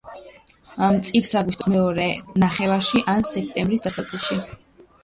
მწიფს აგვისტოს მეორე ნახევარში ან სექტემბრის დასაწყისში.